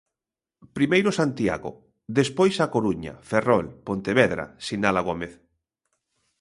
Primeiro Santiago, despois A Coruña, Ferrol, Pontevedra, sinala Gómez.